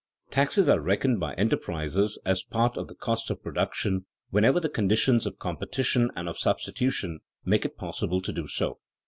Taxes are reckoned by enterprisers as a part of the cost of production whenever the conditions of competition and of substitution make it possible to do so.